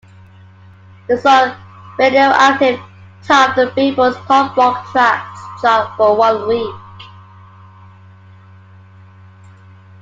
The song "Radioactive" topped "Billboard"'s Top Rock Tracks chart for one week.